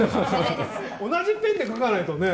同じペンで書かないとね。